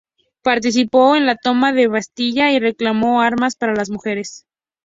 Participó en la toma de la Bastilla y reclamó armas para las mujeres.